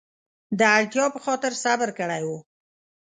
د اړتیا په خاطر صبر کړی و.